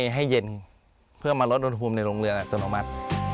ให้เย็นเพื่อมาลดอุณหภูมิในโรงเรียนตรงต่อมา